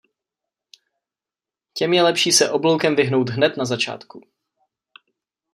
Těm je lepší se obloukem vyhnout hned na začátku.